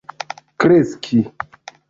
kreski